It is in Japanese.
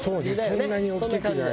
そんなに大きくない。